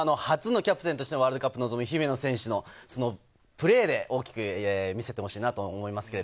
初のキャプテンとしてのワールドカップに臨む姫野選手のプレーで大きく見せてほしいなと思います。